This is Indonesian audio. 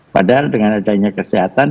padahal dengan adanya kesehatan